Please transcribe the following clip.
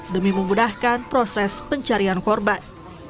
demi memudahkan proses pencarian korban